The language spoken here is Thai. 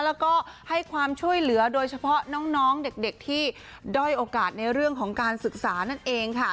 แล้วก็ให้ความช่วยเหลือโดยเฉพาะน้องเด็กที่ด้อยโอกาสในเรื่องของการศึกษานั่นเองค่ะ